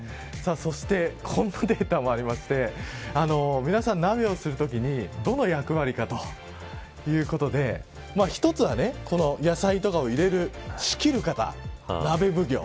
そしてこんなデータもありまして皆さん鍋をするときにどの役割かということで１つは野菜とかを入れる仕切る方、鍋奉行。